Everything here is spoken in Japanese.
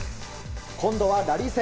今度はラリー戦。